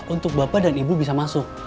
untuk bapak dan ibu bisa masuk